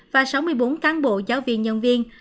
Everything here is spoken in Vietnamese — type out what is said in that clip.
và sáu mươi bốn cán bộ giáo viên nhân viên